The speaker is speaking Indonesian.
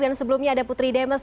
dan sebelumnya ada putri demes